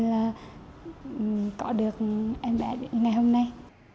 là có được em bé đến ngày hôm nay